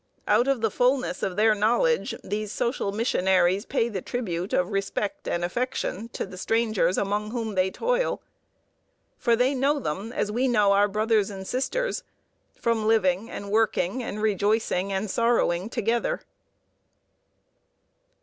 Out of the fullness of their knowledge these social missionaries pay the tribute of respect and affection to the strangers among whom they toil. For they know them as we know our brothers and sisters, from living and working and rejoicing and sorrowing together.